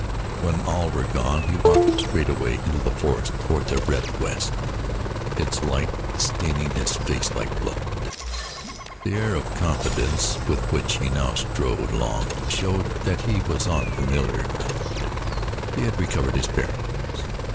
When all were gone he walked straight away into the forest toward the red west, its light staining his face like blood. The air of confidence with which he now strode along showed that he was on familiar ground; he had recovered his bearings.